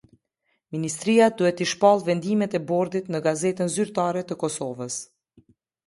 Ministria duhet t'i shpallë Vendimet e bordit në Gazetën Zyrtare të Kosovës.